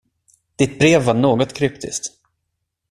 Ditt brev var något kryptiskt.